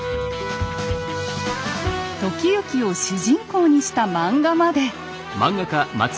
時行を主人公にした漫画まで。